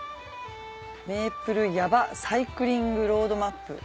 「メイプル耶馬サイクリングロードマップ」。